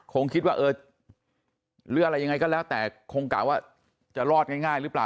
คงคิดว่าเออหรืออะไรยังไงก็แล้วแต่คงกะว่าจะรอดง่ายหรือเปล่า